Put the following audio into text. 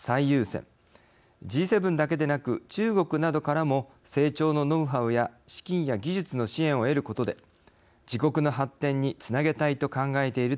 Ｇ７だけでなく中国などからも成長のノウハウや資金や技術の支援を得ることで自国の発展につなげたいと考えているといわれます。